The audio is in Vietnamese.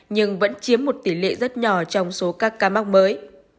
nhưng vẫn chiếm một tỷ lệ rất nhỏ trong số các ca mắc mới